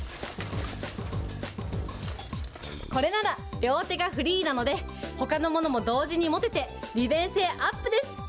これなら両手がフリーなので、ほかのものも同時に持てて、利便性アップです。